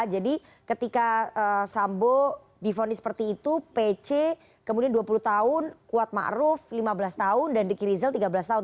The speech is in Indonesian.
jadi ketika sambo difonis seperti itu pc kemudian dua puluh tahun kuat ma'ruf lima belas tahun dan dikirizel tiga belas tahun